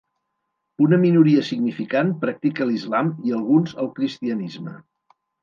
Una minoria significant practica l'islam i alguns el cristianisme.